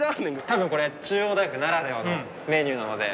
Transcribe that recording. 多分これ中央大学ならではのメニューなので。